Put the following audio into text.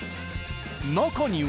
中には。